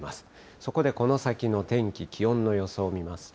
そこでこの先の天気、気温の予想を見ますと。